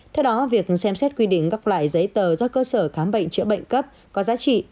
theo đó việc xem xét quy định các loại giấy tờ do cơ sở khám bệnh chữa bệnh cấp có giá trị